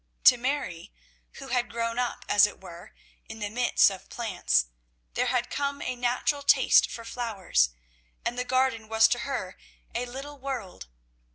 To Mary, who had grown up, as it were, in the midst of plants, there had come a natural taste for flowers, and the garden was to her a little world.